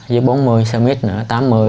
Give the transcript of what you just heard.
dưới bốn mươi xe mít nữa